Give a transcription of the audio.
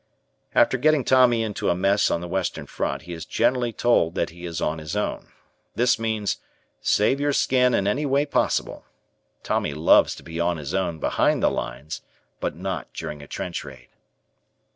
After getting Tommy into a mess on the western front he is generally told that he is "on his own." This means, "Save your skin in any way possible." Tommy loves to be "on his own" behind the lines, but not during a trench raid.